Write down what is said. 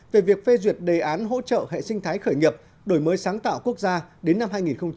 về việc phê duyệt đề án hỗ trợ hệ sinh thái khởi nghiệp đổi mới sáng tạo quốc gia đến năm hai nghìn hai mươi